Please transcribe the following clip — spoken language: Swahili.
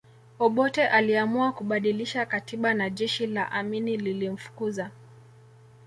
Obote aliamua kubadilisha katiba na jeshi la Amini lilimfukuza